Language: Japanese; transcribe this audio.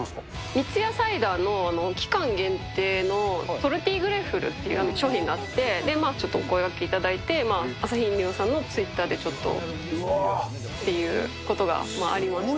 三ツ矢サイダーの期間限定のソルティグレフルっていう商品があって、ちょっとお声がけいただいて、アサヒ飲料さんのツイッターでちょっとっていうことがありました。